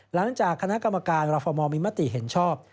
หลังจากคณะกรรมการรฟมมีมติเห็นชอบ